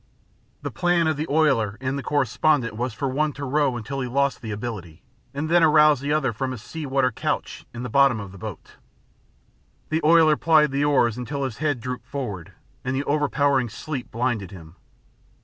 The plan of the oiler and the correspondent was for one to row until he lost the ability, and then arouse the other from his sea water couch in the bottom of the boat. The oiler plied the oars until his head drooped forward, and the overpowering sleep blinded him.